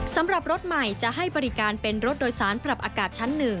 สำหรับรถใหม่จะให้บริการเป็นรถโดยสารปรับอากาศชั้น๑